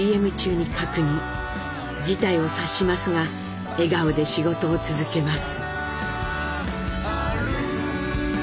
事態を察しますが笑顔で仕事を続けます。